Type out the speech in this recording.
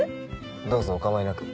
どうぞお構いなく。